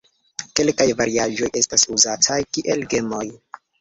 Kelkaj variaĵoj estas uzataj kiel gemoj.